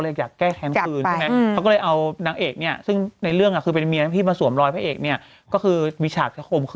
อุ๊ยใหญ่สุดแล้วโอ้แบบสิน